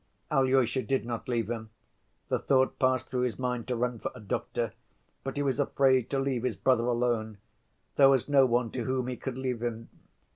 Alyosha did not leave him. The thought passed through his mind to run for a doctor, but he was afraid to leave his brother alone: there was no one to whom he could leave him.